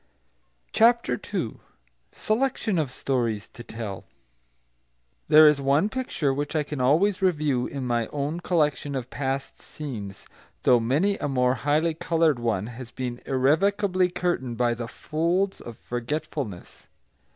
CHAPTER II SELECTION OF STORIES TO TELL There is one picture which I can always review, in my own collection of past scenes, though many a more highly coloured one has been irrevocably curtained by the folds of forgetfulness.